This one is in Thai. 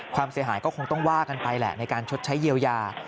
ความเสียหายก็คงต้องว่ากันไปแหละในการชดใช้เยียวยา